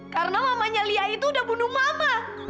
karena mamanya lia itu udah bunuh mama